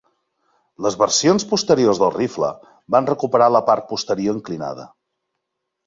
Les versions posteriors del rifle van recuperar la part posterior inclinada.